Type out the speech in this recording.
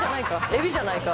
エビじゃないか。